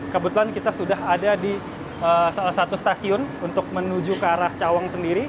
kebetulan kita sudah ada di salah satu stasiun untuk menuju ke arah cawang sendiri